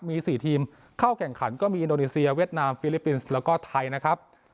มี๔ทีมเข้าแข่งขันก็มีอินโดนีเซียเวียดนามฟิลิปปินส์แล้วก็ไทยนะครับ